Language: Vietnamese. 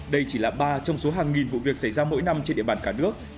đây chỉ là ba trong số hàng nghìn vụ việc xảy ra mỗi năm trên địa bàn cả nước